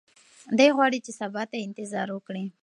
دی غواړي چې سبا ته انتظار وکړي.